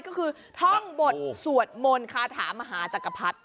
ก็คือท่องบทสวดมนต์คาถามหาจักรพรรดิ